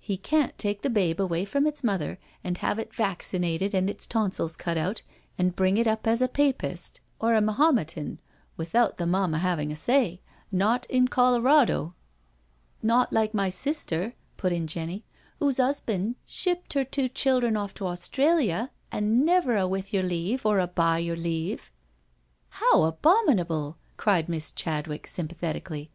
He can't take the babe away from its mother and have it vaccinated and its tonsils cut out, and bring it up as a Papist or a to8 NO SURRENDER Mahometan without the momma having a say— not in Colorado." "Not like my sister/' put in Jenny, " whose hus band shippt 'er two childern off to Australia and never a • with your leave, or by your leave.* " "How abominable r* cried Miss Chadwick sympa thetically.